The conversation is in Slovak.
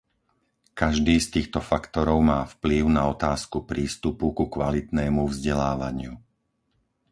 Každý z týchto faktorov má vplyv na otázku prístupu ku kvalitnému vzdelávaniu.